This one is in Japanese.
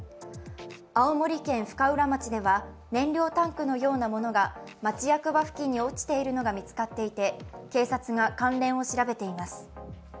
青森県深浦町では燃料タンクのようなものが町役場付近に落ちているのが見つかっていて警察が関連を調べています。